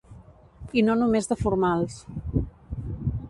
I no només de formals.